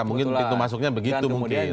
mungkin itu masuknya begitu